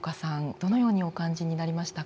どのようにお感じになりましたか。